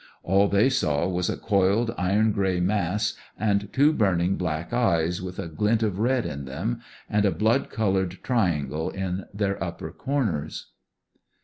All they saw was a coiled, iron grey mass, and two burning black eyes, with a glint of red in them, and a blood coloured triangle in their upper corners.